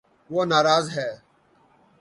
وہ ناراض ہے